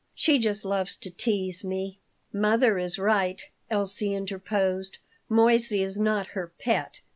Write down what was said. "She just loves to tease me." "Mother is right," Elsie interposed. "Moissey is not her pet.